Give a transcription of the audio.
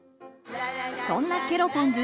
そんなケロポンズ